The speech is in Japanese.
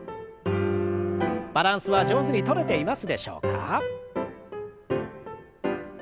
バランスは上手にとれていますでしょうか？